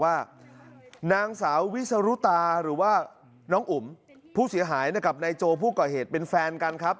ว่าหรือว่าน้องอุ่มผู้เสียหายเนื้อกับนายโจวิร์นผู้ก่อเหตุเป็นแฟนกันครับ